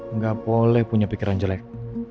nggak boleh punya pikiran jelek